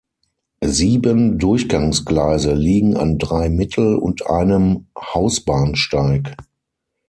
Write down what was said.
Sieben Durchgangsgleise liegen an drei Mittel- und einem Hausbahnsteig.